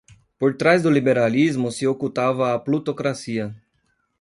por trás do liberalismo se ocultava a plutocracia